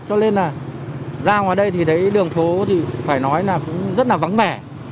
đi ra ngoài đây thì thấy đường phố thì phải nói là cũng rất là vắng vẻ